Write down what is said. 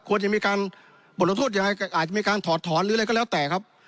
ควรจะมีการบทลงโทษยังไงอาจจะมีการถอดถอนหรืออะไรก็แล้วแต่ครับ